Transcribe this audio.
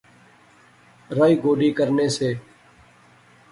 رائی گوڈی کرنے سے